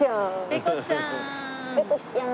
ペコちゃん！